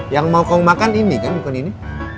yang mau kau makan ini kan bukan ini